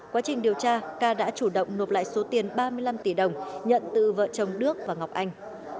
quá trình điều tra ca đã chủ động nộp lại số tiền ba mươi năm tỷ đồng nhận từ vợ chồng đức và ngọc anh